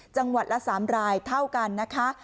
จังหวัดละ๓รายเท่ากันนะคะ